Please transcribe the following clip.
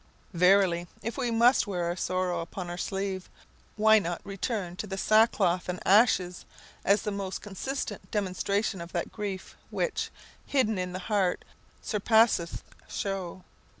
Verily, if we must wear our sorrow upon our sleeve, why not return to the sackcloth and ashes, as the most consistent demonstration of that grief which, hidden in the heart, surpasseth show.